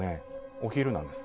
お昼なんです。